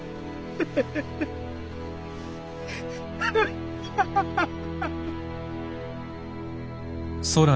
ハハハハハハハハハハ。